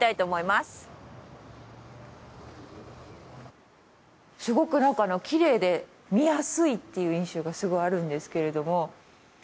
すごくなんかきれいで見やすいっていう印象がすごいあるんですけれども。